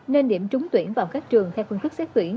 nên điểm trúng tuyển vào các trường theo phương thức xét tuyển